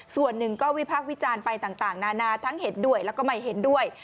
ส่วนหนึ่งก็วิพากษ์วิจารณ์ไปต่างนานาทั้งเห็นด้วยแล้วก็ไม่เห็นด้วย